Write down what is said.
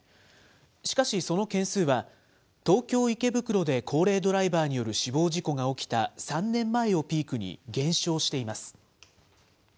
しかしその件数は、東京・池袋で高齢ドライバーによる死亡事故が起きた３年前をピークに減少しています。